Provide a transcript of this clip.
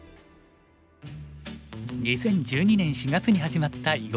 ２０１２年４月に始まった「囲碁フォーカス」。